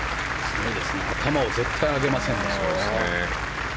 頭を絶対上げませんね。